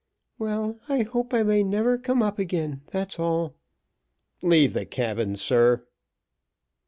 "Well, I hope I may never come up again, that's all." "Leave the cabin, sir."